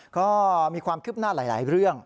ก็มีความคืบหน้าหลายเรื่อง